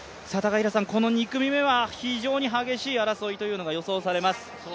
この２組目は非常に激しい争いが予想されます。